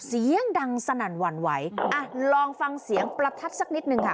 เสียงดังสนั่นหวั่นไหวอ่ะลองฟังเสียงประทัดสักนิดนึงค่ะ